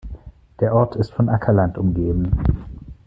Der Ort ist von Ackerland umgeben.